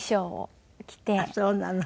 あっそうなの。